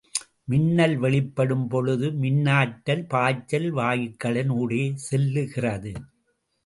மின்னல் வெளிப்படும் பொழுது மின்னாற்றல் பாய்ச்சல் வாயுக்களின் ஊடே செல்லுகிறது.